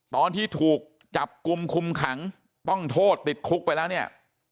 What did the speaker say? ตอนที่ถูกจับกลุ่มคุมขังต้องโทษติดคุกไปแล้วเนี่ย